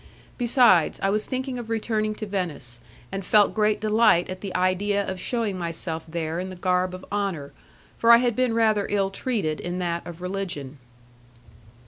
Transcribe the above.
Besides, I was thinking of returning to Venice, and felt great delight at the idea of shewing myself there in the garb of honour, for I had been rather ill treated in that of religion.